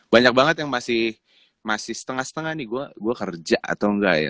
banyak banget yang masih setengah setengah nih gue kerja atau enggak ya